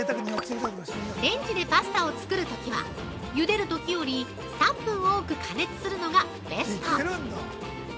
◆レンジでパスタを作るときは、ゆでるときより、３分多く加熱するのがベスト。